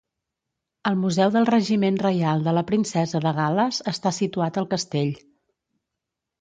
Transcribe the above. El Museu del Regiment Reial de la Princesa de Gal·les està situat al castell.